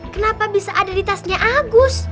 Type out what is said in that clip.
kenapa bisa ada di tasnya agus